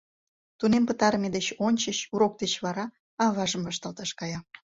Тунем пытарыме деч ончыч, урок деч вара, аважым вашталташ кая.